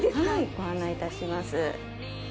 ご案内いたします。